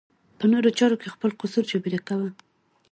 په نورو چارو کې خپل قصور جبېره کوي.